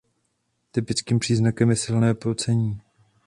Typickým příznakem je silné pocení.